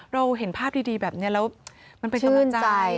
เราเห็นภาพดีแบบนี้แล้วมันเป็นกำลังใจ